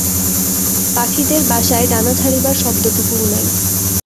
পাখিদের বাসায় ডানা ঝাড়িবার শব্দটুকুও নাই।